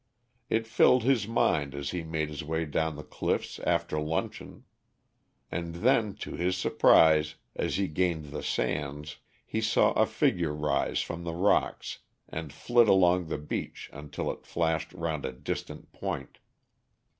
It filled his mind as he made his way down the cliffs after luncheon. And then, to his surprise, as he gained the sands he saw a figure rise from the rocks and flit along the beach until it flashed round a distant point.